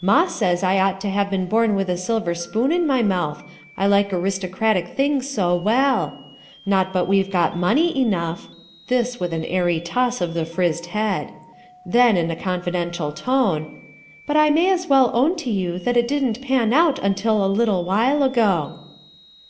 Ma says I ought to have been born with a silver spoon in my mouth, I like aristocratic things so well. Not but what we've got money enough;" — this with an airy toss of the frizzed head. Then, in a confidential tone : "But I may as well own to you that it didn't pan out until a little while ago."